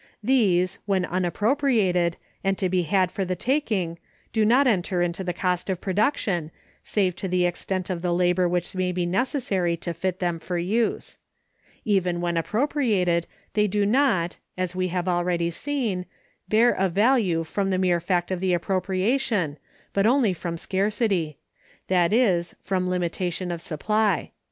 These, when unappropriated, and to be had for the taking, do not enter into the cost of production, save to the extent of the labor which may be necessary to fit them for use. Even when appropriated, they do not (as we have already seen) bear a value from the mere fact of the appropriation, but only from scarcity—that is, from limitation of supply.